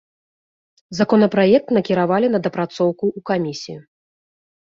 Законапраект накіравалі на дапрацоўку ў камісію.